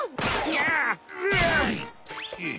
やっ！